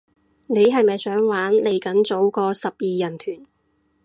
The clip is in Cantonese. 你係咪想玩，嚟緊組個十二人團